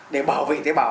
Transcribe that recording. để bảo vệ tế bào